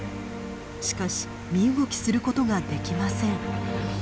しかし身動きすることができません。